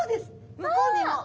向こうにも！